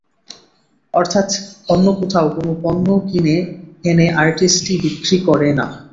অর্থাত্ অন্য কোথাও থেকে পণ্য কিনে এনে আর্টিস্টি বিক্রি করে না।